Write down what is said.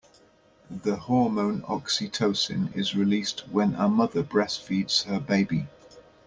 The hormone oxytocin is released when a mother breastfeeds her baby.